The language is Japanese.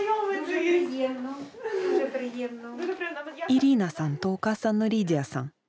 イリーナさんとお母さんのリディヤさん。